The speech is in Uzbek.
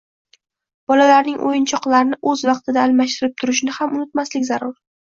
Bolalarning o‘yinchoqlarni o‘z vaqtida almashtirib turishni ham unutmaslik zarur.